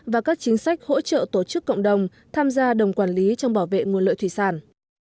và các chính sách hỗ trợ tổ chức cộng đồng tham gia đồng quản lý trong bảo vệ nguồn lợi thủy sản